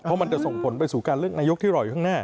เพราะมันจะส่งผลไปสู่การเลือกนายกที่รออยู่ข้างหน้า